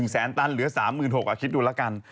แสนตันเหลือ๓๖๐๐บาทคิดดูแล้วกัน